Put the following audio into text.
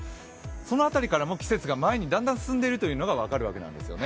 その辺りからも季節が前にだんだん進んでいるのが分かるわけなんですね。